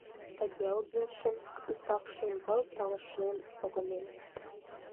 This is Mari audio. Тыге Лбищенск ӱмбак шем пыл талышнен погынен.